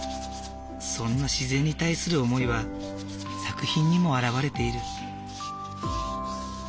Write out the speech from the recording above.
そんな自然に対する思いは作品にも表れている。